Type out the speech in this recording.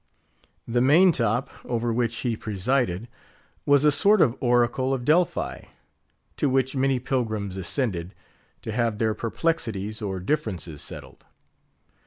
The main top, over which he presided, was a sort of oracle of Delphi; to which many pilgrims ascended, to have their perplexities or differences settled.